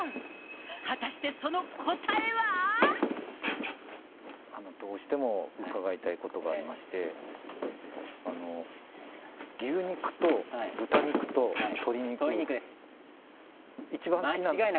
果たしてその答えは。どうしても伺いたいことがありまして、牛肉と豚肉と鶏肉で。